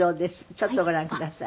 ちょっとご覧ください。